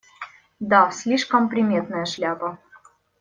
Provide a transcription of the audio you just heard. Да, слишком приметная шляпа.